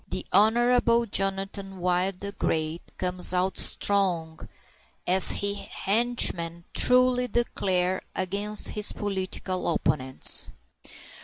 The Honorable Jonathan Wild the Great comes out strong, as his henchmen truly declare, against his political opponents.